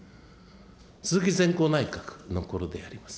鈴木善幸内閣のころであります。